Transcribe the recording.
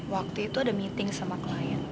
waktu itu ada meeting sama klien